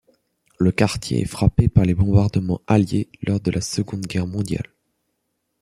Le quartier est frappé par les bombardements alliés lors de la Seconde Guerre mondiale.